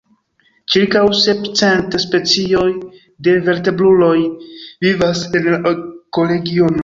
Ĉirkaŭ sep cent specioj de vertebruloj vivas en la ekoregiono.